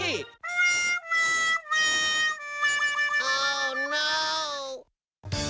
อ้าวไม่